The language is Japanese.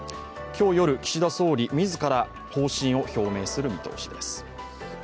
今日夜、岸田総理自ら方針を表明する見通しです。